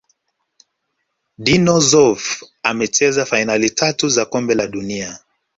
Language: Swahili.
dino Zoff amecheza fainali tatu za kombe la dunia